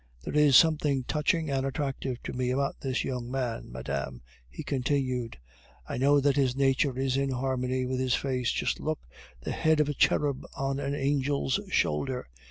There is something touching and attractive to me about this young man, madame," he continued; "I know that his nature is in harmony with his face. Just look, the head of a cherub on an angel's shoulder!